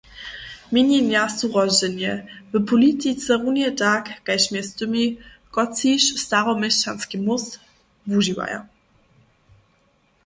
Měnjenja su rozdźělne – w politice runje tak kaž mjez tymi, kotřiž Staroměšćanski móst wužiwaja.